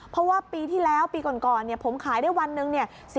เพราะว่าปีที่แล้วปีก่อนผมขายได้วันหนึ่งเนี่ย